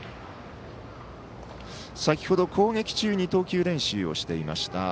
先ほど、攻撃中に投球練習をしていました